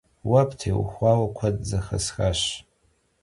Vue ptêuxaue kued zexesxaş.